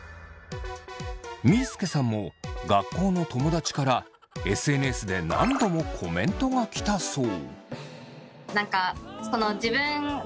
みーすけさんも学校の友だちからＳＮＳで何度もコメントが来たそう。